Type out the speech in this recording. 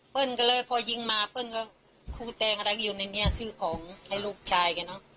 เปิ้ลกันเลยพอยิงมาเปิ้ลก็คูแตงรักอยู่ในนี้ซื้อของไอ้ลูกชายกันเนอะ